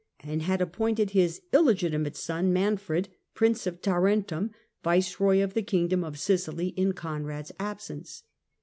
and had appointed his illegitimate son, Manfred, Prince of Taren tum, viceroy of the kingdom of Sicily in Conrad's absence.